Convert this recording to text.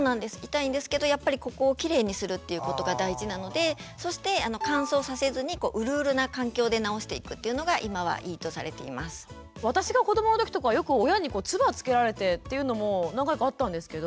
痛いんですけどやっぱりここをきれいにするっていうことが大事なのでそして私が子どもの時とかはよく親につばをつけられてっていうのも何回かあったんですけど。